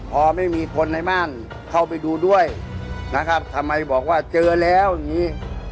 พอไม่มีคนในบ้านเข้าไปดูด้วยนะครับทำไมบอกว่าเจอแล้วอย่างนี้